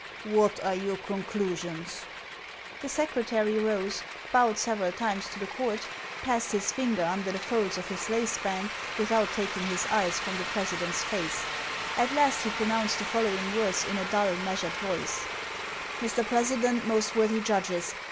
What are your conclusions ?" The secretary rose, bowed several times to the court, 452 HANS OF ICELAND. passed his finger under the folds of his lace band, without taking his eyes from the president's face. At last he pro nounced the following words in a dull, measured voice: " Mr. President, most worthy judges